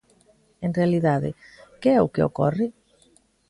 En realidade ¿que é o que ocorre?